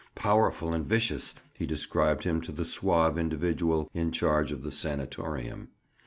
"Powerful and vicious," he described him to the suave individual in charge of the "sanatorium."